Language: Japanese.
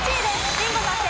ビンゴ達成！